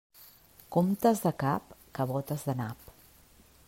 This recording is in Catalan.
Comptes de cap, cabotes de nap.